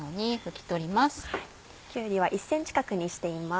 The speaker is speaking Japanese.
きゅうりは１ｃｍ角にしています。